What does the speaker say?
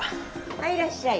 はいいらっしゃい。